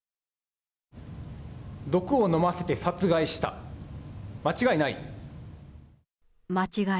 毒を飲ませて殺害した、間違いない？